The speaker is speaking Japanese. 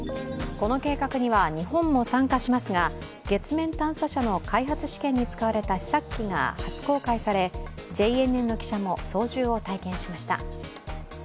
この計画には日本も参加しますが、月面探査車の開発試験に使われた試作機が初公開されＪＮＮの記者も操縦を体験しました。